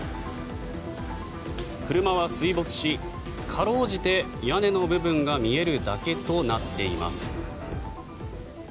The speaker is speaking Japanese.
車は水没し辛うじて屋根の部分が見えるだけとなっています。